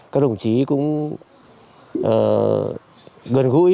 các đồng chí cũng gần gũi